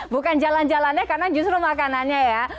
bukan jalan jalannya karena justru makanannya ya